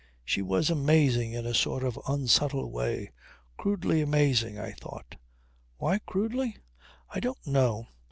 She was amazing in a sort of unsubtle way; crudely amazing I thought. Why crudely? I don't know.